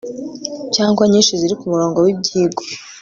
cyangwa nyinshi ziri ku murongo w ibyigwa